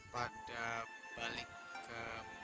pada balik ke